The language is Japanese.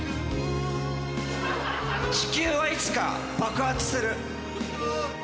地球はいつか爆発する。